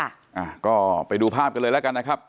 อ่าก็ไปดูภาพกันเลยแล้วกันนะครับ